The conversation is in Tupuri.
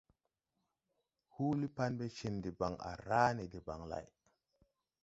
Huuli pan ɓɛ cèn debaŋ, à ràa ne debaŋ lay.